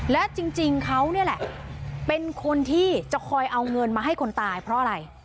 และจริงเขานี่แหละเป็นคนที่จะคอยเอาเงินมาให้คนตายเพราะอะไร